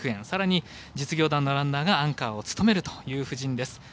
さらに実業団のランナーがアンカーを務めるという布陣です。